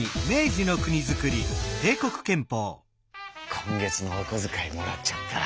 今月のおこづかいもらっちゃった！